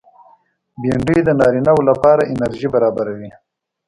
بېنډۍ د نارینه و لپاره انرژي برابروي